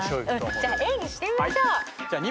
じゃあＡにしてみましょう。